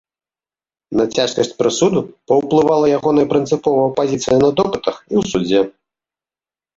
На цяжкасць прысуду паўплывала ягоная прынцыповая пазіцыя на допытах і ў судзе.